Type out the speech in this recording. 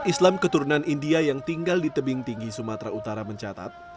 islam keturunan india yang tinggal di tebing tinggi sumatera utara mencatat